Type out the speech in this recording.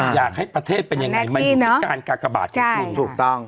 อยากให้ประเทศเป็นยังไงมันอยู่ในการกากบาทที่สิ้น